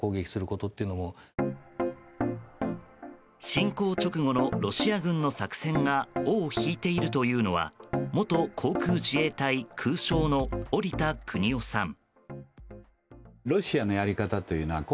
侵攻直後のロシア軍の作戦が尾を引いていると言うのは元航空自衛隊空将の織田邦男さん。